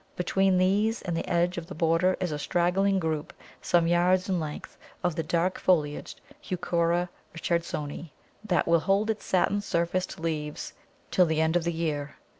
Between these and the edge of the border is a straggling group some yards in length of the dark foliaged Heuchera Richardsoni, that will hold its satin surfaced leaves till the end of the year.